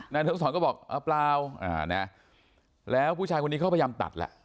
นายดรุษรก็บอกเปล่าแล้วผู้ชายคนนี้เขาพยายามตัดล่ะ